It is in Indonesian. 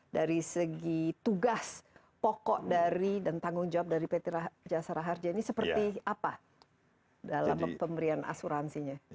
dari segi tugas pokok dari dan tanggung jawab dari pt jasara harja ini seperti apa dalam pemberian asuransinya